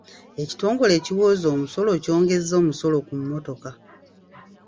Ekitongole ekiwooza omusolo kyongezza omusolo ku mmotoka.